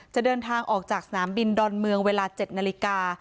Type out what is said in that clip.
จะเดินทางออกจากสนามบินดอนเมืองเวลา๗นาฬิกา